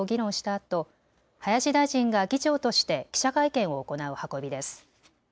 あと林大臣が議長として記者会見を行う運びです。